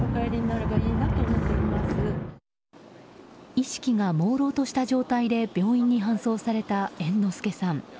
意識がもうろうとした状態で病院に搬送された猿之助さん。